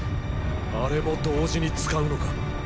あれも同時に使うのか。